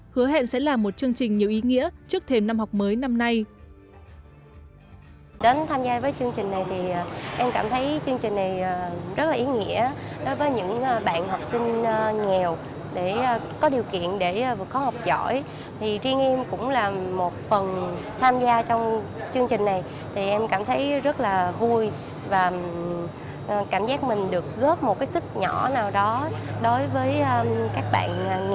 hứa hẹn sẽ là một chương trình nhiều ý nghĩa trước thêm năm học mới năm nay